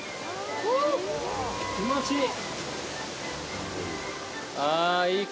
フッ、気持ちいい。